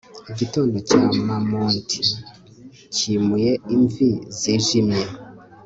Igitondo cya mamont cyimuye imvi zijimye